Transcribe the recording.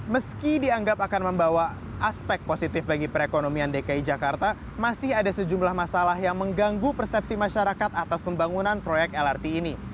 meski dianggap akan membawa aspek positif bagi perekonomian dki jakarta masih ada sejumlah masalah yang mengganggu persepsi masyarakat atas pembangunan proyek lrt ini